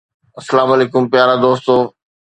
السلام عليڪم پيارا دوستو